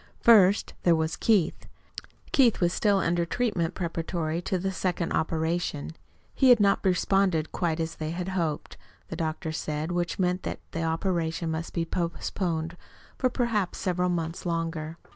First there was Keith. Keith was still under treatment preparatory to the second operation. He had not responded quite as they had hoped, the doctor said, which meant that the operation must be postponed for perhaps several months longer.